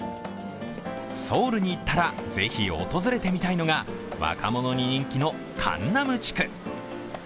ソウルに行ったらぜひ訪れてみたいのが若者に人気のカンナム地区。